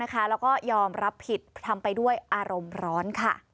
แล้วก็ยอมรับผิดทำไปด้วยอารมณ์ร้อน